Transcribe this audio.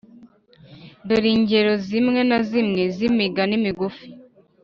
Dore ingero zimwe na zimwe z’imigani migufi.